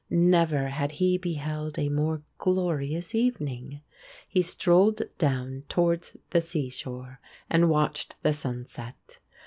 Never had he beheld a more glorious evening. He strolled down towards the seashore and watched the sunset.